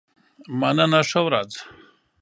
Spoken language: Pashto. مننه ښه ورځ.